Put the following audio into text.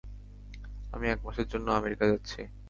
আমি এক মাসের জন্য আমেরিকা যাচ্ছি।